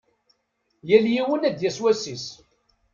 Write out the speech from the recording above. Yal yiwen ad d-yas wass-is.